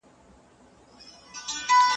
موږ باید له خپلو تېرو تېروتنو څخه درس واخلو.